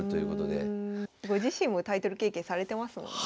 ご自身もタイトル経験されてますもんね。